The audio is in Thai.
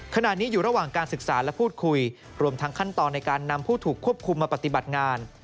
ขณะนี้อยู่ระหว่างการศึกษาและพูดคุยรวมทั้งขั้นตอนในการนำผู้ถูกควบคุมมาปฏิบัติงาน